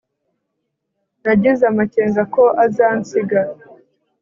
Nagize amakenga ko azansiga